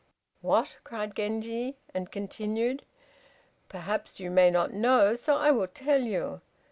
"What?" cried Genji: and continued, "Perhaps you may not know, so I will tell you.